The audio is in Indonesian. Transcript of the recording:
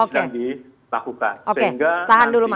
sudah dilakukan oke tahan dulu mas